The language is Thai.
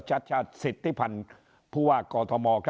ชัษฐศิษย์ที่ผ่านผู้ว่ากกถม